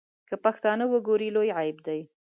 که پښتانه وګوري لوی عیب دی.